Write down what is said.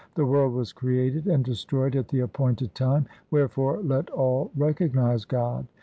The world was created and destroyed at the appointed time ; wherefore let all recognize God.